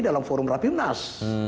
dalam forum rapi mnas